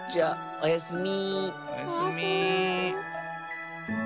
おやすみ。